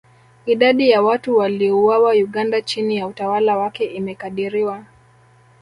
Idadi ya watu waliouawa Uganda chini ya utawala wake imekadiriwa